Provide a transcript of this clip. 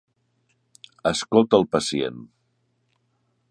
Escolta el pacient.